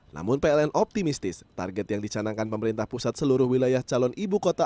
namun pln optimistis target yang dicanangkan pemerintah pusat seluruh wilayah calon ibu kota